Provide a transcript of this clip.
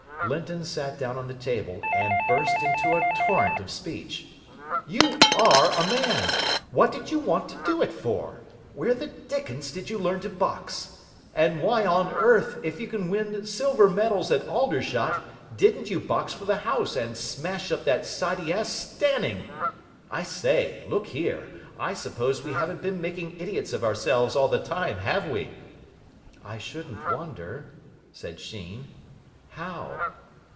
Linton sat down on the table and burst into a torrent of speech. "You are a man! What did you want to do it for? Where the dickens did you learn to box? And why on earth, if you can win silver medals at Aldershot, didn't you box for the house and smash up that sidey ass Stanning? I say, look here, I suppose we haven't been making idiots of ourselves all the time, have we?" "I shouldn't wonder," said Sheen. "How?"